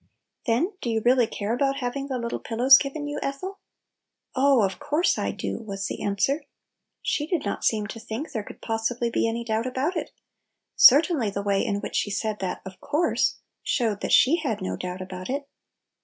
"" Then, do you really care about hav ing the little pillows given you, Ethel?" " Oh, of course I do !" was the answer. She did not seem to think there could Little^ Pillows. 7 possibly be any doubt about it. Cer tainly the way in which she said that u qf course!" showed that she had no doubt about it!